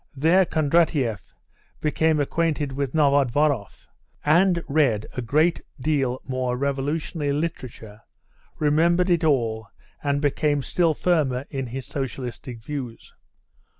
There Kondratieff became acquainted with Novodvoroff, and read a great deal more revolutionary literature, remembered it all, and became still firmer in his socialistic views.